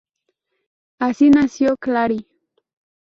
Así nació Clary.